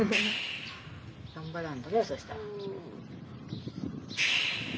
頑張らんとなそしたら。